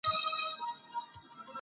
په لویه جرګه کي د فساد مخنیوی څنګه کیږي؟